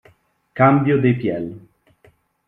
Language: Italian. Cambio de piel